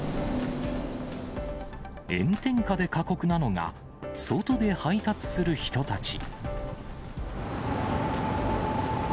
炎天下で過酷なのが、外で配達する人たち。